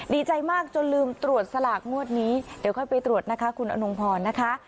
ดีใจมากจนลืมตรวจสลากงวดนี้เดี๋ยวค่อยไปตรวจนะคะคุณอนงพรนะคะ